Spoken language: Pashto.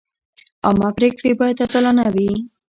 عامه پریکړې باید عادلانه وي.